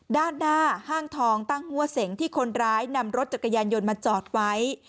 ด้านหน้าห้างทองตั้งหัวเสงที่คนร้ายนำรถจักรยานยนต์มาจอดไว้